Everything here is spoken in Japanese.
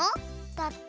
だって。